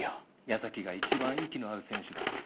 矢崎が一番息の合う選手だろ